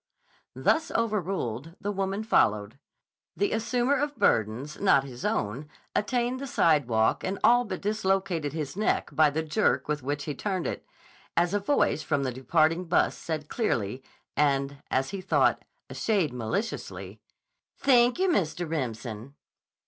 Thus overruled, the woman followed. The assumer of burdens not his own attained the sidewalk and all but dislocated his neck by the jerk with which he turned it, as a voice from the departing bus said clearly, and, as he thought, a shade maliciously: "Thank you, Mr. Remsen."